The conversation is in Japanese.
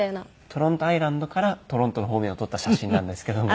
トロントアイランドからトロントの方面を撮った写真なんですけども。